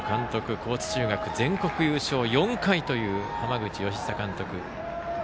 高知中学で全国優勝４回という浜口佳久監督。